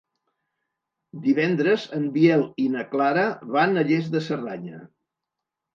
Divendres en Biel i na Clara van a Lles de Cerdanya.